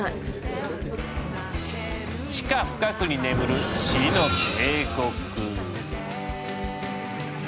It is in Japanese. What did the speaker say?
地下深くに眠る死の帝国。